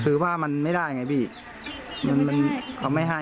คือว่ามันไม่ได้ไงพี่มันเขาไม่ให้